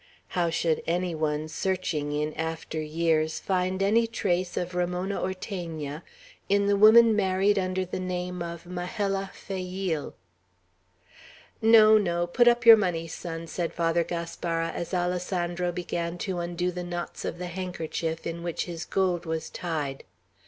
How should any one, searching in after years, find any trace of Ramona Ortegna, in the woman married under the name of "Majella Fayeel"? "No, no! Put up your money, son," said Father Gaspara, as Alessandro began to undo the knots of the handkerchief in which his gold was tied.